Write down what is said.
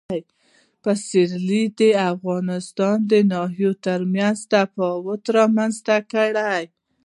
پسرلی د افغانستان د ناحیو ترمنځ تفاوتونه رامنځ ته کوي.